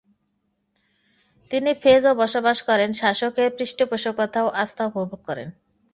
তিনি ফেজ-এ বসবাস করেন, শাসকের পৃষ্ঠপোষকতা ও আস্থা উপভোগ করেন।